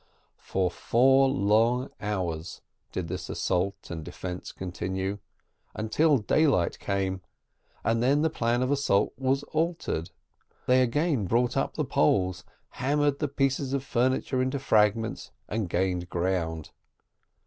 For four long hours did this assault and defence continue, until daylight came, and then the plan of assault was altered: they again brought up the poles, hammered the pieces of furniture into fragments, and gained ground.